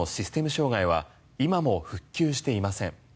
障害は今も復旧していません。